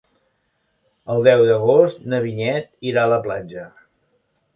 El deu d'agost na Vinyet irà a la platja.